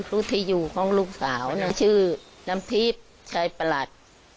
ลูกที่อยู่ของลูกสาวชื่อน้ำทิพย์ชายประหลัด